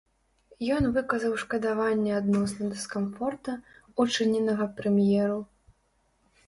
Ён выказаў шкадаванне адносна дыскамфорта, учыненага прэм'еру.